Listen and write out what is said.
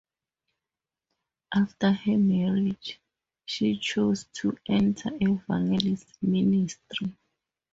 After her marriage, she chose to enter evangelistic ministry.